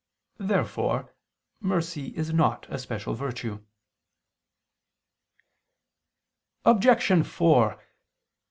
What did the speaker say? Therefore mercy is not a special virtue.